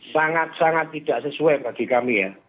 sangat sangat tidak sesuai bagi kami ya